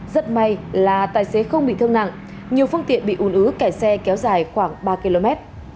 rất may là tài xế không bị thương nặng nhiều phương tiện bị ùn ứ kẻ xe kéo dài khoảng ba km